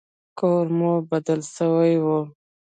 کور مو بدل سوى و.